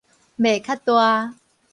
袂較大